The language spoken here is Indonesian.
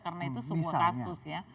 karena itu semua kasus ya